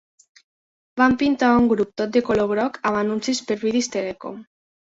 Van pintar un grup tot de color groc amb anuncis per British Telecom.